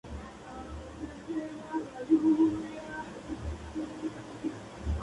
Puede clasificarse como un "dim sum", aunque no lo sea exclusivamente.